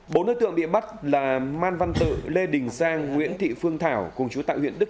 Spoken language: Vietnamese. bốn đối tượng bị bắt là man văn tự lê đình giang nguyễn thị phương thảo cùng chú tại huyện đức